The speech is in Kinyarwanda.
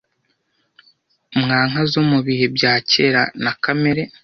mwa nka zo mu bihe bya kera na kamere